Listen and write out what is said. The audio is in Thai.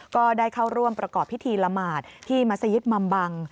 ก็ได้เข้าร่วมประกอบพิธีละมาตรที่มัสยิทธิ์มำบัง